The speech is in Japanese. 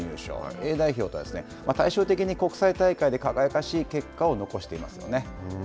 Ａ代表とは対照的に国際大会で輝かしい結果を残していますよね。